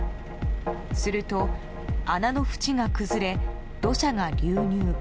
すると、穴の縁が崩れ土砂が流入。